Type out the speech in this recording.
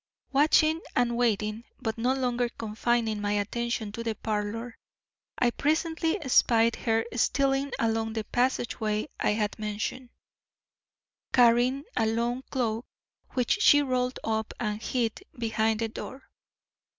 Watching and waiting, but no longer confining my attention to the parlour, I presently espied her stealing along the passageway I have mentioned, carrying a long cloak which she rolled up and hid behind the open door.